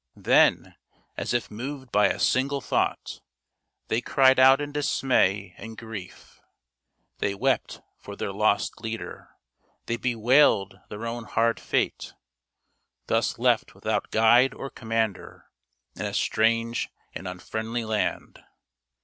Then, as if moved by a single thought, they cried out in dismay and grief; they wept for their lost leader; they bewailed their own hard fate, thus left without guide or com mander, in a strange and unfriendly land.